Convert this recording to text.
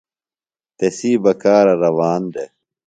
تسی بکارہ روان دےۡ۔